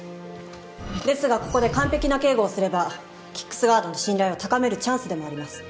ですがここで完璧な警護をすればＫＩＣＫＳガードの信頼を高めるチャンスでもあります。